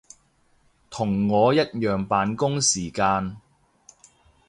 同我一樣扮工時間